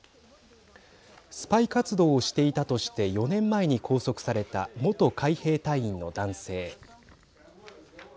スパイ活動をしていたとして４年前に拘束された元海兵隊員の男性。